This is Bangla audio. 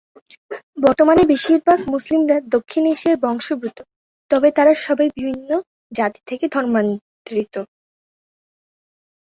বর্তমানে বেশিরভাগ মুসলমানরা দক্ষিণ এশীয় বংশোদ্ভূত তবে তারা সবাই বিভিন্ন জাতি থেকে ধর্মান্তরিত।